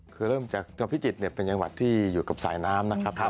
คือเริ่มจากจังหวัดพิจิตรเป็นจังหวัดที่อยู่กับสายน้ำนะครับ